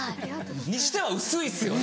にしては薄いっすよね。